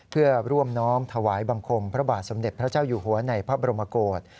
เพื่อร่วมน้อมถวายบังคมพระบาทสมเด็จพระเจ้าอยู่หัวในพระบรมโกศ